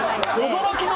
驚きの。